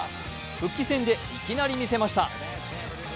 復帰戦でいきなり見せました。